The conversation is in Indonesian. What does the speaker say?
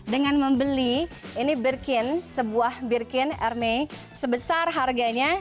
dengan membeli birkin sebuah birkin hermes sebesar harganya